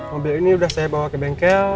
mobil ini sudah saya bawa ke bengkel